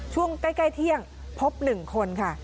ช่วงใกล้เที่ยงพบ๑คนค่ะ